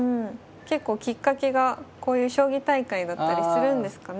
結構きっかけがこういう将棋大会だったりするんですかね。